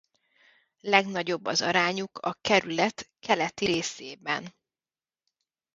Legnagyobb az arányuk a kerület keleti részében.